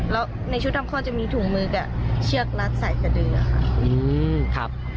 แล้วในชุดทำข้อจะมีถุงมือกับเชือกรัดใส่กระดือค่ะ